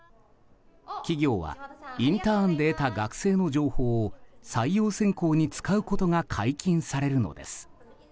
企業はインターンで得た学生の情報を採用選考に使うことが解禁されるのです。